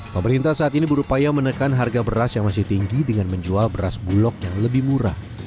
pemerintah saat ini berupaya menekan harga beras yang masih tinggi dengan menjual beras bulog yang lebih murah